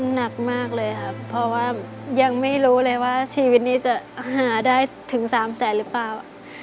หนักมากเลยครับเพราะว่ายังไม่รู้เลยว่าชีวิตนี้จะหาได้ถึง๓แสนหรือเปล่า